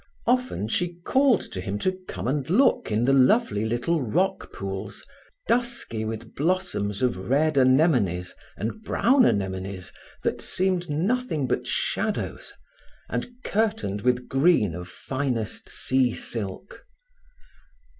Often she called to him to come and look in the lovely little rock pools, dusky with blossoms of red anemones and brown anemones that seemed nothing but shadows, and curtained with green of finest sea silk.